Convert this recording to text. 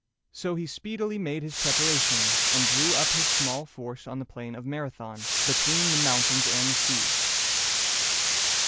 So he speedily made his preparations, and drew up his small force on the plain of Marathon, between the mountains and the sea.